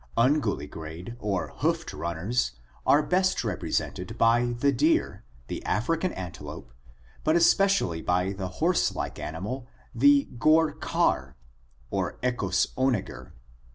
Unguligrade or hoofed runners are best represented by the deer, the African antelope, but especially by the horse like animal, the ghor khar {Equus onager)!